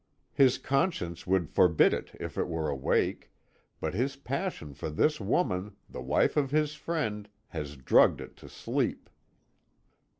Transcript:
His conscience would forbid if it were awake, but his passion for this woman the wife of his friend has drugged it to sleep.